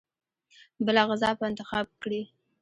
بله غذا به انتخاب کړي.